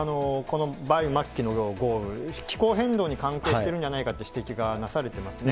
梅雨末期の豪雨、気候変動に関係してるんじゃないかっていう指摘がなされてますね。